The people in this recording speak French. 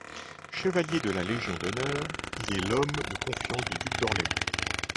Chevalier de la Légion d'Honneur, Il est l'homme de confiance du duc d'Orléans.